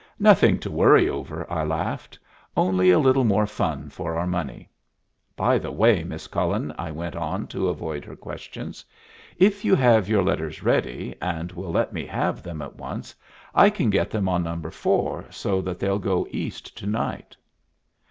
"Nothing to worry over," I laughed. "Only a little more fun for our money. By the way, Miss Cullen," I went on, to avoid her questions, "if you have your letters ready, and will let me have them at once, I can get them on No. 4, so that they'll go East to night."